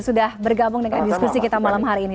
sudah bergabung dengan diskusi kita malam hari ini